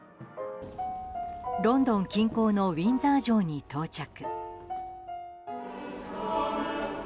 ロンドン近郊のウィンザー城に到着。